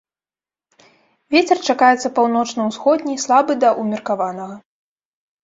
Вецер чакаецца паўночна-ўсходні, слабы да ўмеркаванага.